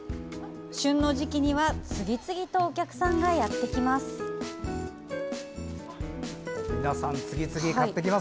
旬の時期には次々とお客さんがやってきます。